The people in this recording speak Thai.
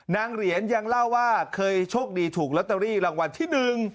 เหรียญยังเล่าว่าเคยโชคดีถูกลอตเตอรี่รางวัลที่หนึ่ง